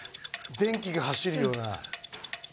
電気が走るような。